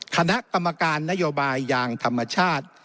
คณะกรรมการนโยบายยางธรรมชาติ